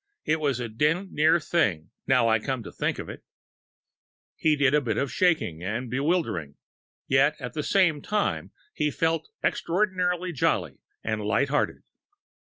It was a d d near thing, now I come to think of it...." He did feel a bit shaky and bewildered.... Yet, at the same time, he felt extraordinarily jolly and light hearted....